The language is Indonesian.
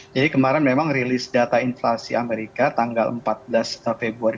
jadi kemarin memang rilis data inflasi amerika tanggal empat belas februari